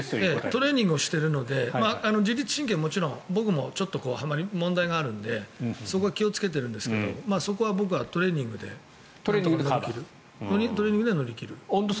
トレーニングをしているので自律神経はもちろん僕も問題があるのでそこは気をつけてるんですけどそこは僕はトレーニングで乗り切る。